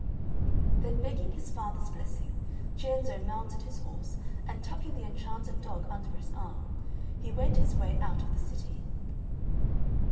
Then begging his father's blessing, Cienzo mounted his horse, and tucking the enchanted dog under his arm, he went his way out of the city.